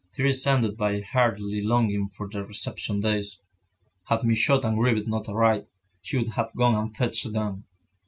Thérèse ended by heartily longing for the reception days. Had Michaud and Grivet not arrived, she would have gone and fetched them.